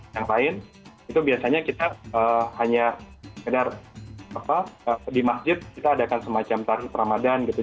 yang lain itu biasanya kita hanya di masjid kita adakan semacam tarikh ramadan gitu